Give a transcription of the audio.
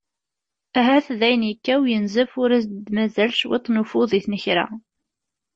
Ahat dayen yekkaw, yenzef ur as-d-mazal cwiṭ n ufud i tnekra.